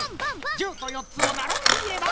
１０と４つをならべてみれば。